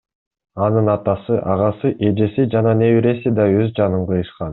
Анын атасы, агасы, эжеси жана небереси да өз жанын кыйышкан.